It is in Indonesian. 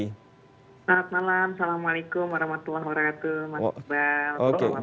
selamat malam assalamualaikum warahmatullahi wabarakatuh